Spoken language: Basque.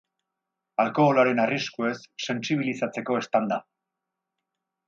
Alkoholaren arriskuez sentsibilizatzeko stand-a.